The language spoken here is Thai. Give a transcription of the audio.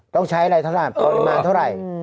ต้องใช้อะไรทั้งสามปริมาณเท่าไหร่